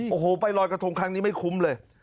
โอ้โหไปลอยกระทงครั้งนี้ไม่คุ้มเลย